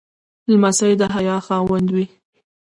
لمسی د حیا خاوند وي.